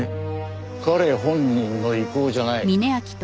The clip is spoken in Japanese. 彼本人の意向じゃない。